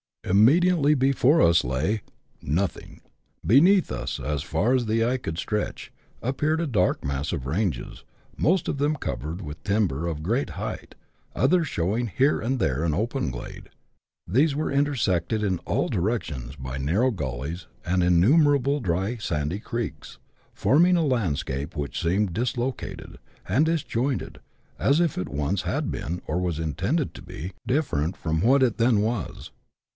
Immediately before us lay — nothing : beneath us, as far as the eye could stretch, appeared a dark mass of ranges, most of them covered with timber of great height, others showing here and there an open glade. These were intersected in all direc tions by narrow gullies and innumerable dry sandy creeks, forming 128 BUSH LIFE IN AUSTRALIA. [chap. xii. a landscape which seemed dislocated and disjointed, as if it once had been, or was intended to be, different from what it then was.